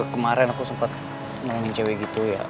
kemaren aku sempet nongongin cewek gitu ya